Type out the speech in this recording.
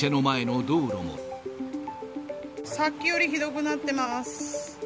さっきよりひどくなってます。